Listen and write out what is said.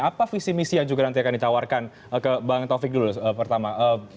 apa visi misi yang juga nanti akan ditawarkan ke bang taufik dulu pertama